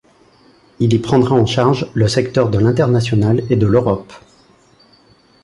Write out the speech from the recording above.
Il y prendra en charge le secteur de l’International et de l’Europe.